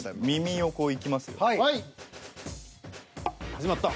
始まった。